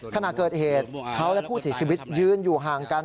ขณะเกิดเหตุเขาและผู้เสียชีวิตยืนอยู่ห่างกัน